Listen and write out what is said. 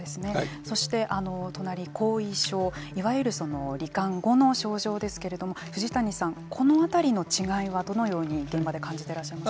そして、隣後遺症いわゆるり患後の症状ですけれども藤谷さん、このあたりの違いはどのように現場に感じていらっしゃいますか。